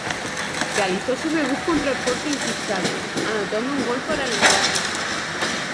Realizó su debut contra Sporting Cristal, anotando un gol para el empate.